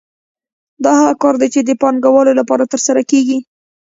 دا هغه کار دی چې د پانګوالو لپاره ترسره کېږي